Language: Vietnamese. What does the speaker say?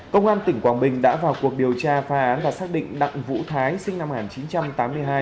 công an tỉnh quảng bình đã vào cuộc điều tra phá án và xác định đặng vũ thái sinh năm một nghìn chín trăm tám mươi hai